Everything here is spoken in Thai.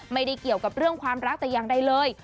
ไม่ได้เกี่ยวกับเรื่องความรักแต่อย่างใดเลย